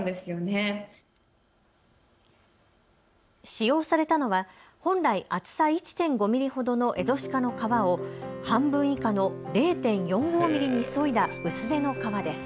使用されたのは本来厚さ１．５ミリほどのエゾシカの革を半分以下の０．４５ミリにそいだ薄手の革です。